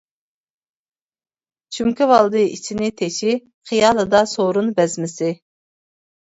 چۈمكىۋالدى ئىچىنى تېشى، خىيالىدا سورۇن بەزمىسى.